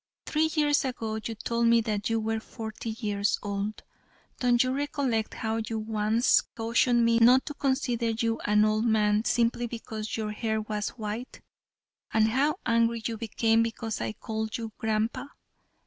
"Three years ago you told me that you were forty years old. Don't you recollect how you once cautioned me not to consider you an old man simply because your hair was white, and how angry you became because I called you Grandpa?